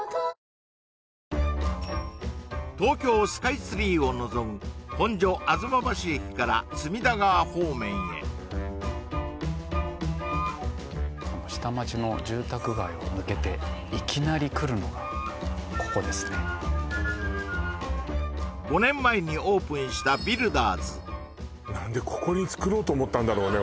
東京スカイツリーをのぞむ本所吾妻橋駅から隅田川方面へこの下町の住宅街を抜けていきなりくるのがここですね５年前にオープンした何でここにつくろうと思ったんだろうね